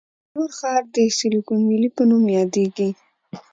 د بنګلور ښار د سیلیکون ویلي په نوم یادیږي.